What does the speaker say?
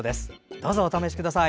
どうぞお試しください。